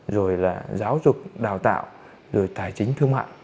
rồi là giáo dục đào tạo rồi tài chính thương mại